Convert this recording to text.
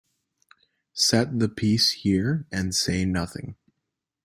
Set the piece here and say nothing.